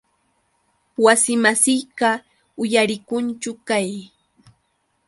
Wasimasiyqa uyarikunchu qay.